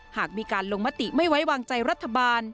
หากมีการลงมติไม่ไว้วางใจรัฐบาล